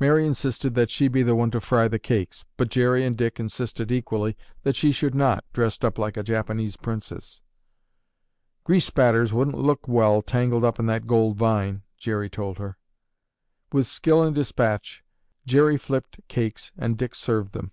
Mary insisted that she be the one to fry the cakes, but Jerry and Dick insisted equally, that she should not, dressed up like a Japanese princess. "Grease spatters wouldn't look well tangled up in that gold vine," Jerry told her. With skill and despatch, Jerry flipped cakes and Dick served them.